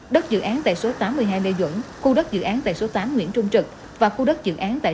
đất dự án tại số tám mươi hai lê duẩn khu đất dự án tại số tám nguyễn trung trực và khu đất dự án tại